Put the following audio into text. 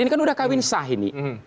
ini kan udah kawin sah ini